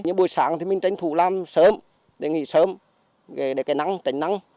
nhưng buổi sáng thì mình tranh thủ làm sớm để nghỉ sớm để cái nắng tránh nắng